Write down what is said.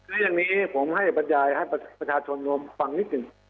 คือเรื่องนี้ผมให้บรรยายให้ประชาชนรวมฟังนิดหนึ่ง